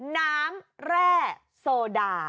น้ำแร่โซดา